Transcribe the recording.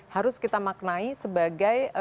harus kita maknai sebagai